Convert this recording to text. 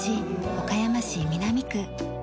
岡山市南区。